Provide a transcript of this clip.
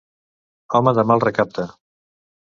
Home de mal recapte.